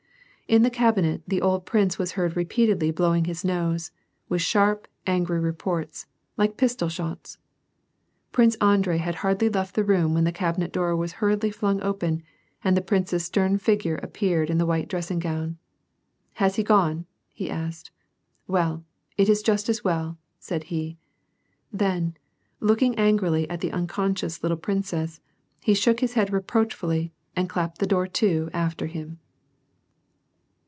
In the cabinet the old prince was heard repeatedly blowing his nose, with sharp, angry reports, like pistol shots. Prince Andrei had hardly left the room when the cabinet door was hurriedly flung open, and the prince's stern figure appeared in tlie white dressing gown. "Has he gone?" he asked; "well, it is just as well," said he. Then, looking angrily at the unconscious little princess, he shook his head reproachfully, and clapped the door to after him.